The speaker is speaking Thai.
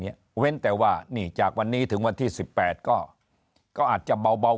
เว้นแต่ว่านี่จากวันนี้ถึงวันที่๑๘ก็อาจจะเบา